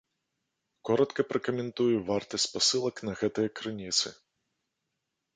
Коратка пракаментую вартасць спасылак на гэтыя крыніцы.